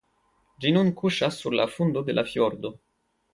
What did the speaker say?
Ĝi nun kuŝas sur la fundo de la fjordo.